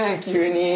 急に。